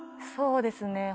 そうですね。